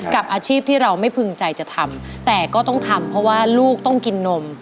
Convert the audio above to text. กับอาชีพที่เราไม่พึงใจจะทำแต่ก็ต้องทำเพราะว่าลูกต้องกินนม